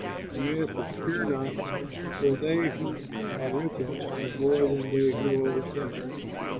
He answered, "Fear not, for they who are with us are more than they who are with them."